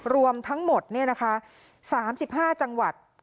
รวมทั้งหมดสามสิบห้าจังหวัด